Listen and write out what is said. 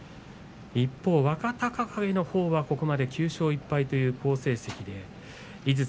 若隆景のほうは、ここまで９勝１敗という好成績です。